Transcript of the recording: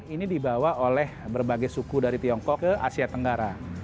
ini dibawa oleh berbagai suku dari tiongkok ke asia tenggara